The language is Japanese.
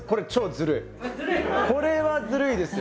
これはずるいですよ！